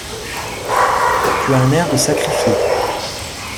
Tu as un air de sacrifié !